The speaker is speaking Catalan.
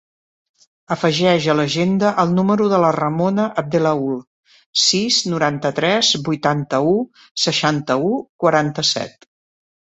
Afegeix a l'agenda el número de la Ramona Abdellaoui: sis, noranta-tres, vuitanta-u, seixanta-u, quaranta-set.